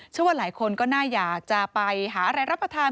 ว่าหลายคนก็น่าอยากจะไปหาอะไรรับประทาน